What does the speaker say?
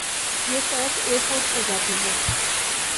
یہ سڑک airport کو جاتی ہے